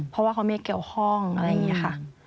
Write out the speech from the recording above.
เพราะว่าเขาไม่เกี่ยวข้องอะไรอย่างนี้ค่ะ